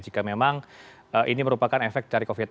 jika memang ini merupakan efek dari covid sembilan belas